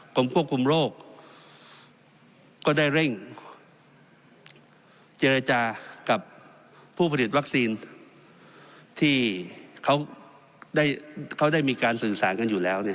กรมควบคุมโรคก็ได้เร่งเจรจากับผู้ผลิตวัคซีนที่เขาได้มีการสื่อสารกันอยู่แล้ว